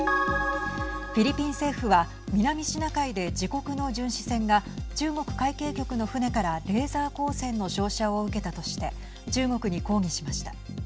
フィリピン政府は、南シナ海で自国の巡視船が中国海警局の船からレーザー光線の照射を受けたとして中国に抗議しました。